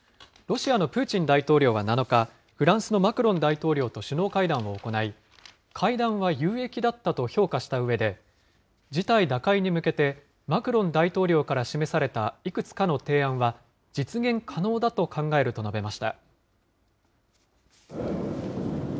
ロシアのプーチン大統領は７日、フランスのマクロン大統領と首脳会談を行い、会談は有益だったと評価したうえで、事態打開に向けて、マクロン大統領から示されたいくつかの提案は、実現可能だと考えると述べ